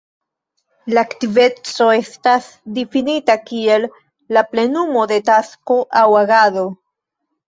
La aktiveco estas difinita kiel la plenumo de tasko aŭ agado.